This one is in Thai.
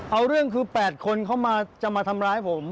เอาเรื่องคือ๘คนเขาจะมาทำร้ายผม